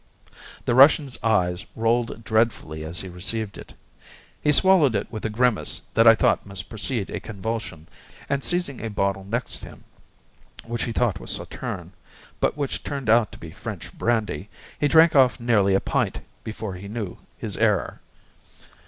The Russian's eyes rolled dreadfully as he received it: he swallowed it with a grimace that I thought must precede a convulsion, and seizing a bottle next him, which he thought was Sauterne, but which turned out to be French brandy, he drank off nearly a pint before he know his error.